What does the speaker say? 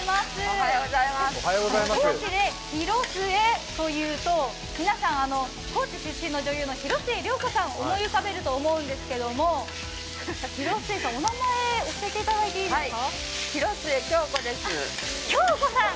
高知で廣末というと、皆さん高知出身の広末涼子さん、思い浮かべると思うんですけどお名前、教えていただいていいですか？